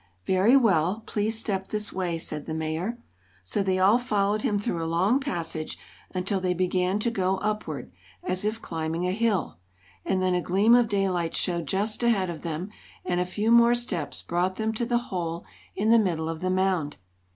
"Very well; please step this way," said the Mayor. So they all followed him through a long passage until they began to go upward, as if climbing a hill. And then a gleam of daylight showed just ahead of them, and a few more steps brought them to the hole in the middle of the mound.